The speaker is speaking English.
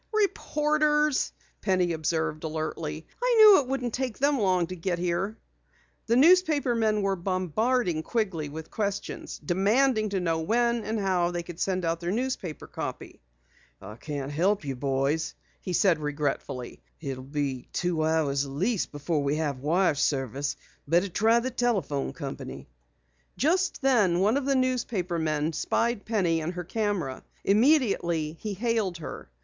"Reporters!" Penny observed alertly. "I knew it wouldn't take them long to get here!" The newspaper men were bombarding Quigley with questions, demanding to know when and how they could send out their newspaper copy. "I can't help you, boys," he said regretfully. "It will be two hours at least before we have wire service. Better try the telephone company." Just then one of the newsmen spied Penny and her camera. Immediately he hailed her.